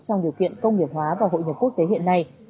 trong điều kiện công nghiệp hóa và hội nhập quốc tế hiện nay